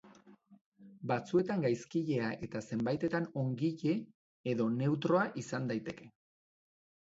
Batzuetan gaizkilea eta zenbaitetan ongile edo neutroa izan daiteke.